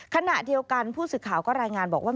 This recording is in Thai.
ขณะเดียวกันผู้สื่อข่าวก็รายงานบอกว่า